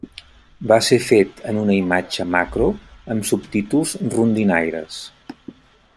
Va ser fet en una imatge macro amb subtítols rondinaires.